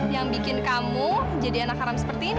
yang bikin kamu jadi anak haram seperti ini